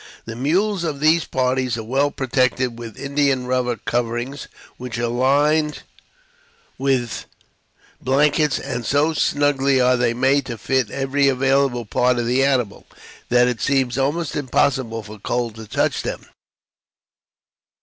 The mules of these parties are well protected with india rubber coverings which are lined with blankets, and, so snugly are they made to fit every available part of the animal, that it seems almost impossible for cold to touch them.